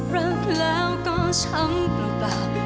รักแล้วก็ช้ำปลอดภัย